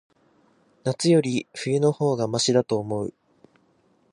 夏より、冬の方がましだと思う。